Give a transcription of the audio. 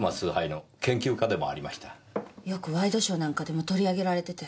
よくワイドショーなんかでも取り上げられてて。